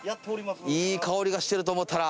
いい香りがしてると思ったら。